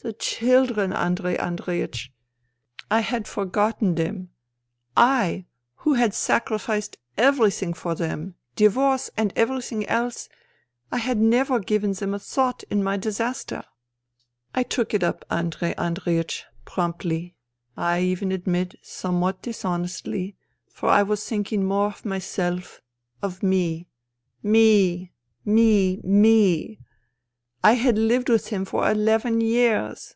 ...'" The children, Andrei Andreiech — I had forgotten 36 FUTILITY them ! I who had sacrificed everything for them, divorce and everything else, I had never given them a thought in my disaster. I took it up, Andrei Andreiech, promptly — I even admit somewhat dis honestly — for I was thinking more of myself, of me. Me ! me ! me ! I had lived with him for eleven years